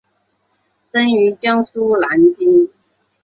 生于江苏南京。